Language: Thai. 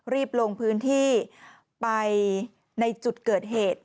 รีบลงพื้นที่ไปในจุดเกิดเหตุ